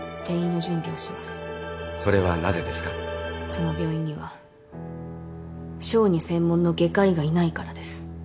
その病院には小児専門の外科医がいないからです。